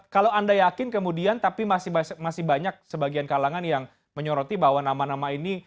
kalau anda yakin kemudian tapi masih banyak sebagian kalangan yang menyoroti bahwa nama nama ini